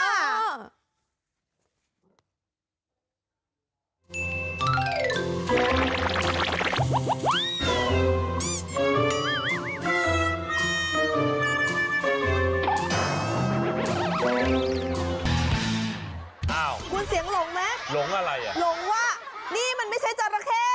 อ้าวหลงอะไรอ่ะหลงว่านี่มันไม่ใช่จราเข้